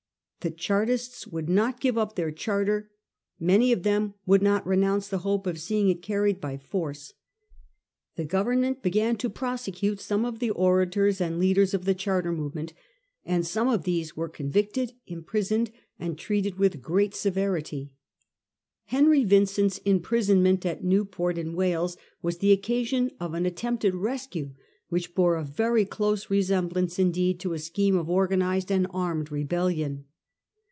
The Chartists would not give up their Charter ; many of them would not renounce the hope of seeing it carried by force. The Government began to prosecute some of the orators and leaders of the Charter movement ; and some of these were con victed, imprisoned, and treated with great severity. , Henry's Vincent's imprisonment at Newport, in "Wales, was the occasion of an attempt at rescue which bore a very close resemblance indeed to a scheme of organised and armed rebellion.